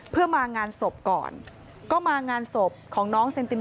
เพื่อมางานศพก่อน